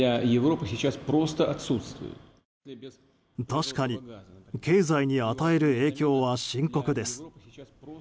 確かに経済に与える影響は深刻です。